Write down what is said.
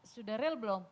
sudah real belum